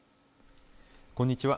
こんにちは。